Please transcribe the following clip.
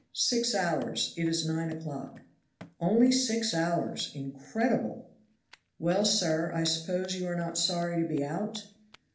"Six hours; it is nine o'clock." "Only six hours! incredible!" "Well, sir, I suppose you are not sorry to be out?"